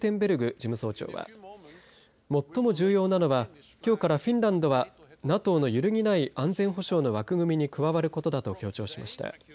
事務総長は最も重要なのはきょうからフィンランドはＮＡＴＯの揺るぎない安全保障の枠組みに加わることだと強調しました。